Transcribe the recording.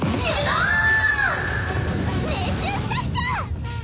命中したっちゃ！